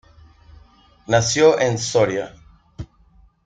Nació en Soria.